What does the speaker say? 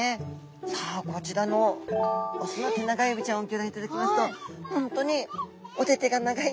さあこちらの雄のテナガエビちゃんをギョ覧いただきますといやすっごい長い。